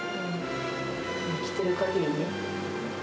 生きているかぎりね。